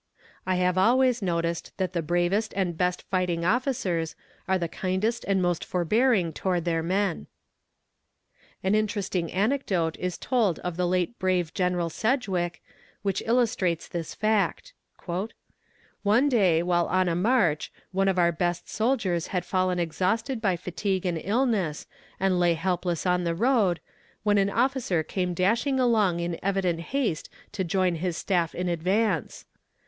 I have always noticed that the bravest and best fighting officers are the kindest and most forbearing toward their men. An interesting anecdote is told of the late brave General Sedgwick, which illustrates this fact: "One day, while on a march, one of our best soldiers had fallen exhausted by fatigue and illness, and lay helpless in the road, when an officer came dashing along in evident haste to join his staff in advance.